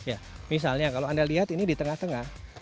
ya misalnya kalau anda lihat ini di tengah tengah